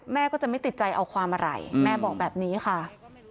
แม่ก็จะไม่ติดใจเอาความอะไรแม่บอกแบบนี้ค่ะ